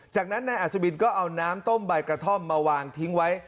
จากนั้นนายอัศวินก็เอาน้ำต้มใบกระท่อมมาวางทิ้งไว้